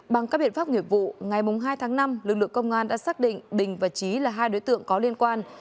bằng các biện pháp nghiệp vụ ngày hai tháng năm lực lượng công an đã xác định bình và trí là hai đối tượng có liên quan